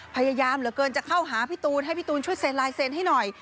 พยายามเหลือเกินจะเข้าหาพี่ตูนให้พี่ตูนช่วยเซ็นลายเซ็นให้หน่อย